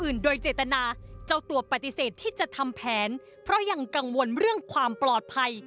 เจตนาเจ้าตัวปฏิเสธที่จะทำแผนเพราะยังกังวลเรื่องความปลอดภัย